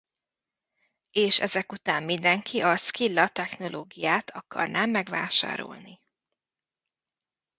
És ezek után mindenki a Scylla technológiát akarná megvásárolni.